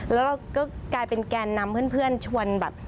แล้วก็กลายเป็นแกนนำเพื่อนชวนแบบ